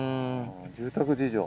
住宅事情。